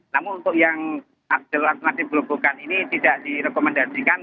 namun untuk yang jalur alternatif berobokan ini tidak direkomendasikan